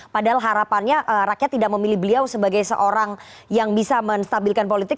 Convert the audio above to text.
padahal harapannya rakyat tidak memilih beliau sebagai seorang yang bisa menstabilkan politik